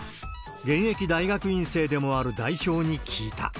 現役大学院生でもある代表に聞いた。